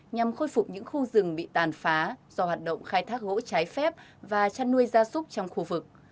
nhằm khôi phục những khu rừng bị tàn phá do hoạt động khai thác gỗ trái phép và chăn nuôi gia súc trong khu vực